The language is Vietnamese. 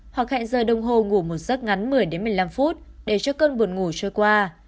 hoặc hẹn giờ đồng hồ ngủ một giấc ngắn một mươi một mươi năm phút để cho cơn buồn ngủ trôi qua